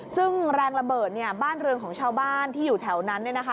ซึ่งแรงระเบิดเนี่ยบ้านเรือนของชาวบ้านที่อยู่แถวนั้นเนี่ยนะคะ